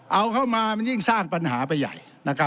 เอาเข้ามามันยิ่งสร้างปัญหาไปใหญ่นะครับ